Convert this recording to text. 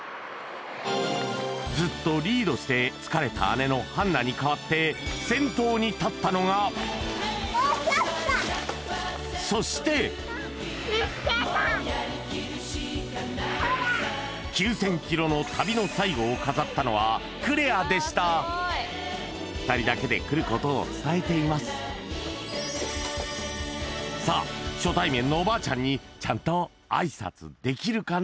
ずっとリードして疲れた姉のハンナに代わって先頭に立ったのがそして９０００ｋｍの旅の最後を飾ったのはクレアでした２人だけで来ることを伝えていますさあ初対面のおばあちゃんにちゃんと挨拶できるかな？